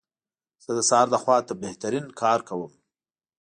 زه د سهار لخوا بهترین کار کوم.